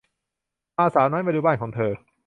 มา สาวน้อย มาดูบ้านของเธอ